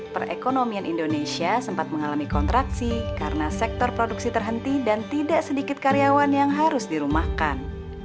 perekonomian indonesia sempat mengalami kontraksi karena sektor produksi terhenti dan tidak sedikit karyawan yang harus dirumahkan